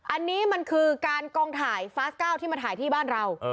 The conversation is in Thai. อันนี้มันคือการกองถ่ายฟาสเก้าที่มาถ่ายที่บ้านเรา